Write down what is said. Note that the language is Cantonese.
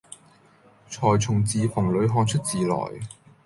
纔從字縫裏看出字來，